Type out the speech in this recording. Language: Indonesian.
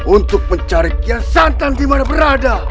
untuk mencari kias santan dimana berada